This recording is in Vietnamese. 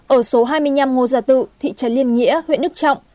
ở số hai mươi năm ngô gia tự thị trấn liên nghĩa huyện đức trọng